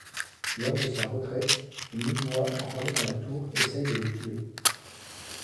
Lors de sa retraite, des Muyois, enfermés dans la tour, essayent de le tuer.